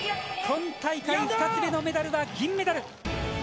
今大会２つ目のメダルは銀メダル。